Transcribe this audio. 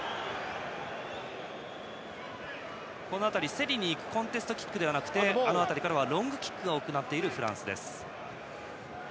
競りに行くコンテストキックではなくてロングキックが多くなっているフランスです。